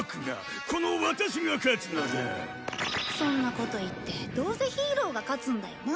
そんなこと言ってどうせヒーローが勝つんだよな。